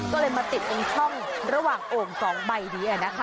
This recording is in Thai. ก็เลยมาติดตรงช่องระหว่างโอ่ง๒ใบนี้นะคะ